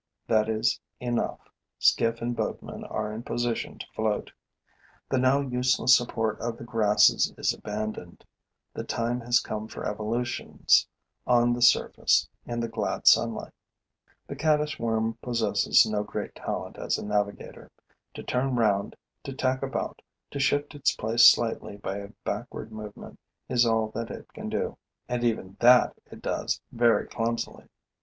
That is enough: skiff and boatman are in a position to float. The now useless support of the grasses is abandoned. The time has come for evolutions on the surface, in the glad sunlight. The caddis worm possesses no great talent as a navigator. To turn round, to tack about, to shift its place slightly by a backward movement is all that it can do; and even that it does very clumsily.